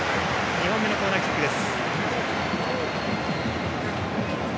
２本目のコーナーキックです。